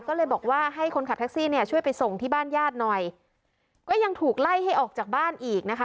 ก็เลยบอกว่าให้คนขับแท็กซี่เนี่ยช่วยไปส่งที่บ้านญาติหน่อยก็ยังถูกไล่ให้ออกจากบ้านอีกนะคะ